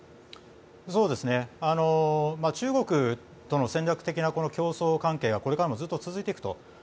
中国との戦略的な競争関係はこれからもずっと続いていくと。